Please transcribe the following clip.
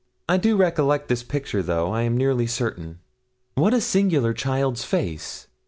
I do recollect this picture, though, I am nearly certain. What a singular child's face!'